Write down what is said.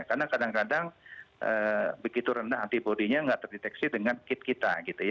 karena kadang kadang begitu rendah antibody nya tidak terdeteksi dengan kit kita